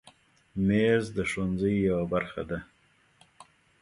مېز د ښوونځي یوه برخه ده.